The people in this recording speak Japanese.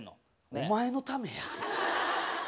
お前のためや。